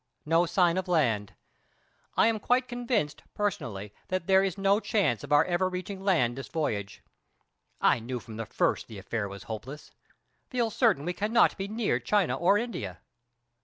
No sign of land. I am quite convinced personally that there is no chance of our ever reaching land this voyage. I knew from the first the affair was hopeless. Feel certain we cannot be near China or India.